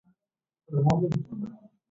计算机和互联网